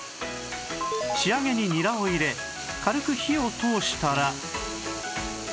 仕上げにニラを入れ軽く火を通したら